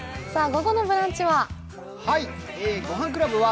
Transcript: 午後の「ブランチ」は？